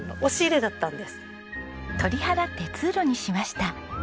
取り払って通路にしました。